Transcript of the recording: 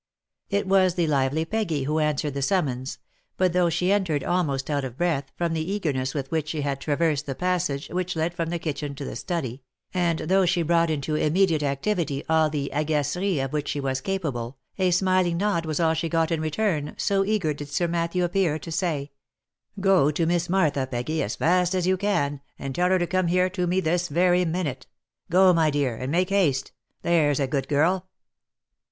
It was the lively Peggy who answered the summons ; but though she entered almost out of breath from the eagerness with which she had traversed the passage which led from the kitchen to the study, and though she brought into immediate activity all the agaceries of which she was capable, a smiling nod was all she got in return, so eager did Sir Matthew appear to say, " Go to Miss Martha, Peggy, as fast as you can, and tell her to come here to me this very minute. Go, my dear, and make haste, there's a good girl."